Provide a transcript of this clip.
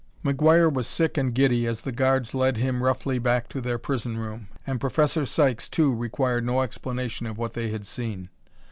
McGuire was sick and giddy as the guards led him roughly back to their prison room. And Professor Sykes, too, required no explanation of what they had seen.